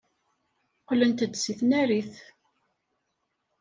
Qqlent-d seg tnarit.